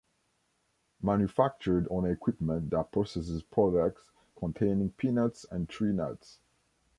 Manufactured on equipment that processes products containing peanuts and tree nuts.